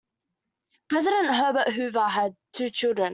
President Herbert Hoover had two children.